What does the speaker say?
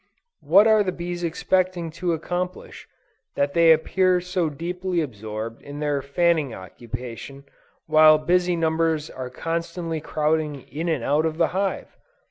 What are these bees expecting to accomplish, that they appear so deeply absorbed in their fanning occupation, while busy numbers are constantly crowding in and out of the hive?